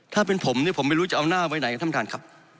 ถ้าเป็นผมเนี่ยผมไม่รู้จะเอาหน้าไว้ไหนครับท่านประธานครับ